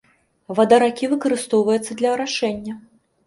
Вада ракі выкарыстоўваецца для арашэння.